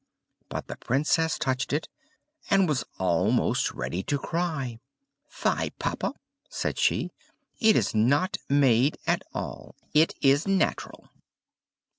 But the Princess touched it, and was almost ready to cry. "Fie, papa!" said she. "It is not made at all, it is natural!"